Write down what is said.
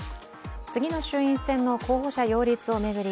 次の衆院選の候補者擁立を巡り